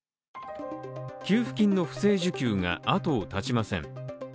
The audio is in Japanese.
給付金の不正受給が後を絶ちません。